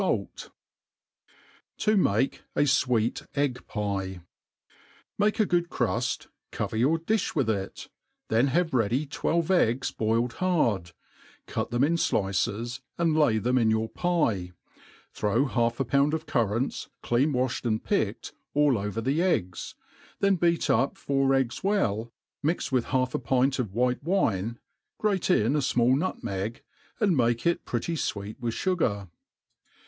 fait* ». To make a fweet Egg'Pie. MAKE a good cruft, cover your difli with it, then have ready twelve eggs boiled hard, cut them in flices, and lay them iti your pie, throw half a pound of currants; clean wafli ed and picked, all over the eggs, then beat up four eggs well, mixed with half a pint of white wine, grate in a fmall nutmeg, and make it pretty fweet with fugar.